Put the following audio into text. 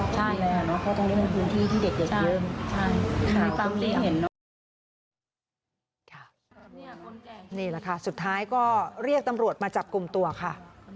ใช่คุณป้าไม่ได้เห็นเนอะ